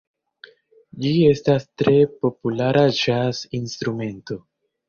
Ĝi estas tre populara ĵaz-instrumento.